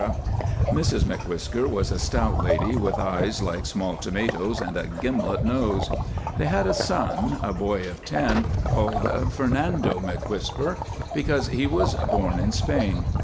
Mrs M'Whisker was a stout lady with eyes like small tomatoes and a gimlet nose. They had a son, a boy of ten, called Fernando M'Whisker, because he was born in Spain.